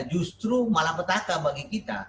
justru malah petaka bagi kita